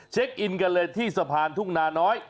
อินกันเลยที่สะพานทุ่งนาน้อย